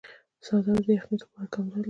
څادر د یخنۍ لپاره کمپله ده.